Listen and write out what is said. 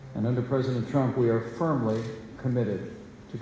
dan di bawah presiden trump kita berpikir dengan jelas